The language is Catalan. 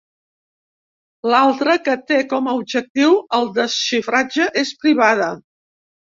L'altra, que té com a objectiu el desxifratge, és privada.